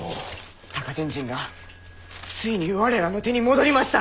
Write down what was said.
高天神がついに我らの手に戻りました！